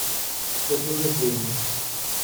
Це дуже дивно.